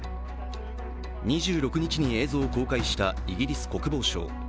２６日に映像を公開したイギリス国防省。